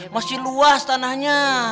masih luas tanahnya